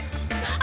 あ。